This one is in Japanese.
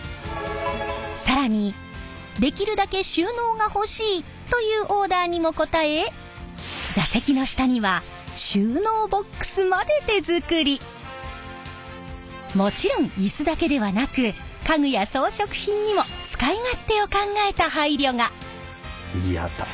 更にできるだけ収納が欲しいというオーダーにも応え座席の下にはもちろんイスだけではなく家具や装飾品にも使い勝手を考えた配慮が。